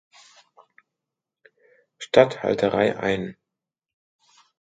Statthalterei ein.